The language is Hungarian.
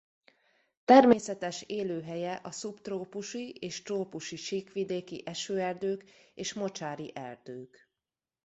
Természetes élőhelye a szubtrópusi és trópusi síkvidéki esőerdők és mocsári erdők.